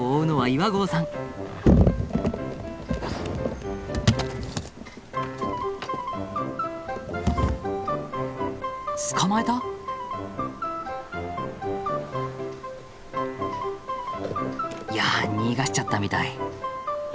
いや逃がしちゃったみたい。